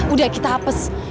udah kita hapus